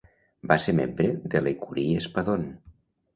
Va ser membre de l'Ecurie Espadon.